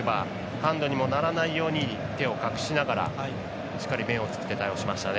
ハンドにもならないように手を隠しながらしっかり面を作って対応しましたね。